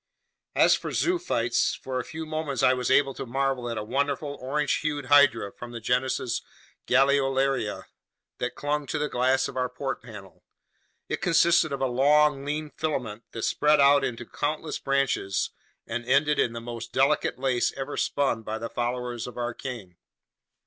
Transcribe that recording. As for zoophytes, for a few moments I was able to marvel at a wonderful, orange hued hydra from the genus Galeolaria that clung to the glass of our port panel; it consisted of a long, lean filament that spread out into countless branches and ended in the most delicate lace ever spun by the followers of Arachne.